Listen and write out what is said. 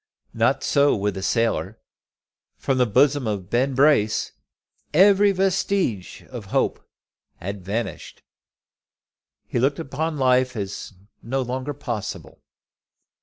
Not so with the sailor. From the bosom of Ben Brace every vestige of hope had vanished. He looked upon life as no longer possible.